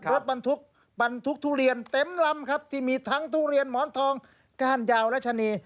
รถบรรทุกบรรทุกทุเรียนเต็มลำครับที่มีทั้งทุเรียนหมอนทองก้านยาวรัชนี